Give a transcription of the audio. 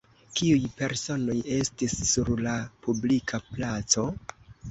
Kiuj personoj estis sur la publika placo?